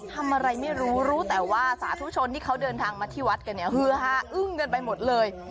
ทำอะไรไม่รู้รู้แต่ว่าสาธุชนที่เขาเดินทางมาที่วัดกันเนี่ยฮือฮาอึ้งกันไปหมดเลย